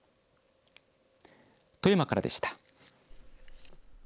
富山からでした。